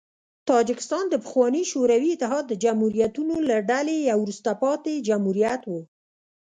تاجکستان د پخواني شوروي اتحاد د جمهوریتونو له ډلې یو وروسته پاتې جمهوریت و.